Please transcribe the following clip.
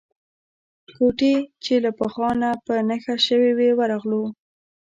کوټې چې له پخوا نه په نښه شوې وې ورغلو.